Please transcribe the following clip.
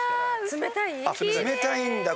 冷たいんだ